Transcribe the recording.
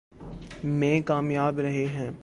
میں کامیاب رہے ہیں۔